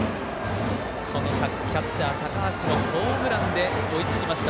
キャッチャー、高橋のホームランで追いつきました。